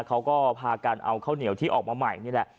เขาก็พากันเอาข้าวเหนียวที่ออกมาใหม่นี่แหละ